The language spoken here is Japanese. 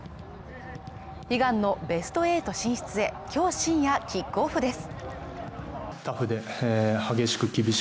悲願のベスト８進出へ今日深夜キックオフです